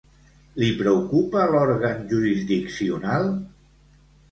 Li preocupa l'òrgan jurisdiccional?